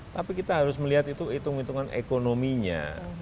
tapi kita harus melihat itu hitung hitungan ekonominya